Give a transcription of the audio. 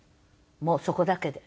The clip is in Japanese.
もうそこだけで。